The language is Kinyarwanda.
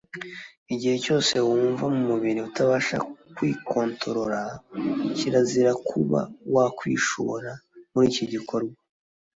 igihe cyose wumva mu mubiri utabasha kwikontorola kirazira kuba wakwishora muri iki gikorwa